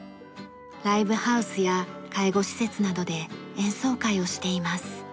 ライブハウスや介護施設などで演奏会をしています。